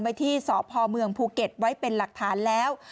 ไว้ที่สพเมืองภูเก็ตไว้เป็นหลักฐานแล้ว